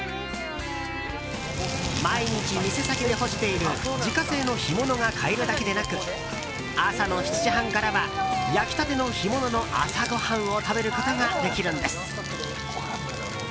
毎日、店先で干している自家製の干物が買えるだけでなく朝の７時半からは焼きたての干物の朝ごはんを食べることができるんです。